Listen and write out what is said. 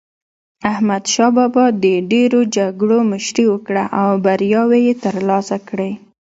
احمد شاه بابا د ډېرو جګړو مشري وکړه او بریاوي یې ترلاسه کړې.